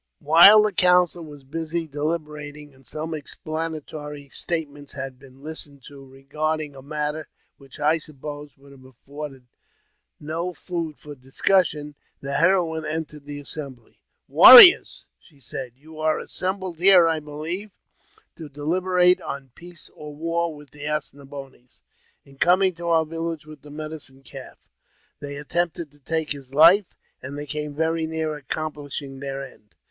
While the council were busy deliberating^ and some explanatory statements had been listened to regard ing a matter which I supposed would have afforded no food for discussion, the heroine entered the assembly. Warriors !" she said, you are assembled here, I believe^ to deliberate on peace or war with the As ne boines. In coming to our village with the Medicine Calf, they attempted to take his life, and came very near accomplishing their end.